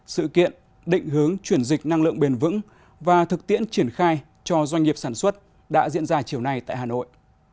sự kiện định hướng chuyển dịch năng lượng bền vững và thực tiễn triển khai cho doanh nghiệp sản xuất đã diễn ra chiều nay tại hà nội